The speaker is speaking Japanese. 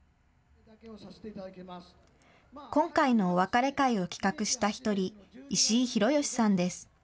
今回のお別れ会を企画した１人、石井弘芳さんです。